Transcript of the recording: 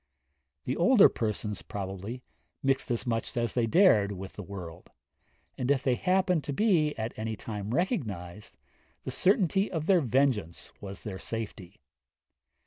The older persons, probably, mixed as much as they dared with the world; and, if they happened to be at any time recognised, the certainty of their vengeance was their safety.